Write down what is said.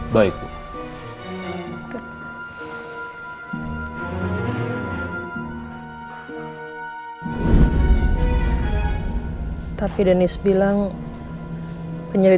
bekerja di perusahaan ini